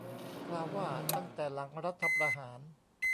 กล่าวว่า ตั้งแต่หลังรัฐประหาร